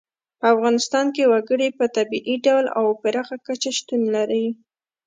په افغانستان کې وګړي په طبیعي ډول او پراخه کچه شتون لري.